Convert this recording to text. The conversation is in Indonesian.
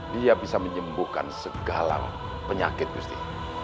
dia bisa menyembuhkan segala penyakit mestinya